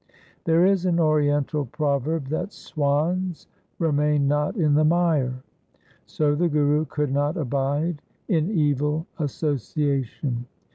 There is an Oriental proverb that swans remain not in the mire ; so the Guru could not abide in evil association.